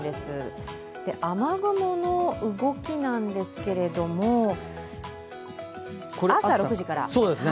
雨雲の動きなんですけれども朝６時から。